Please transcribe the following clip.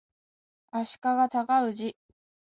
足利尊氏